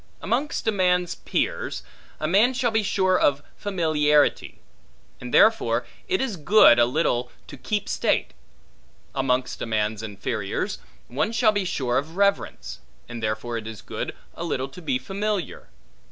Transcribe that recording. Amongst a man's peers, a man shall be sure of familiarity; and therefore it is good, a little to keep state. Amongst a man's inferiors one shall be sure of reverence; and therefore it is good, a little to be familiar.